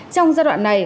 trong giai đoạn này